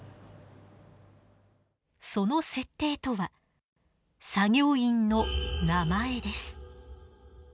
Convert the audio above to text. その設定とは作業員の名前です。